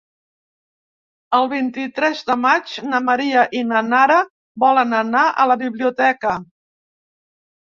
El vint-i-tres de maig na Maria i na Nara volen anar a la biblioteca.